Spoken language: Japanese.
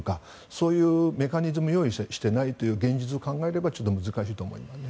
そういうメカニズムを用意していないという現実を考えればちょっと難しいと思います。